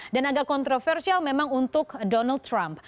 dan agak kontroversial memang untuk donald trump